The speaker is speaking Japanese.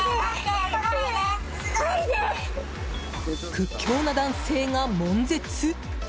屈強な男性が悶絶。